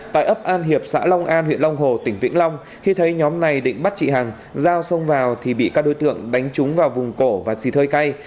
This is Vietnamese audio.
tại ấp an hiệp xã long an huyện long hồ tỉnh vĩnh long khi thấy nhóm này định bắt chị hằng giao xông vào thì bị các đối tượng đánh trúng vào vùng cổ và xì cay